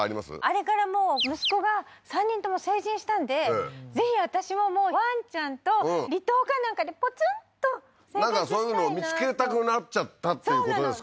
あれからもう息子が３人とも成人したんでぜひ私ももうワンちゃんと離島かなんかでポツンとなんかそういうのを見つけたくなっちゃったっていうことですか？